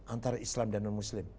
antara islam dan non muslim